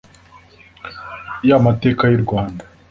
ya mateka yu rwanda,